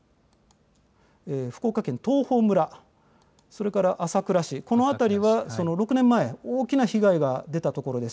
福岡県東峰村、それから朝倉市、この辺りは、６年前、大きな被害が出た所です。